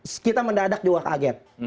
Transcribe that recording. saya mendadak juga kaget